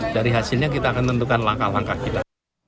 dari hasilnya kita akan tentukan langkah langkah kita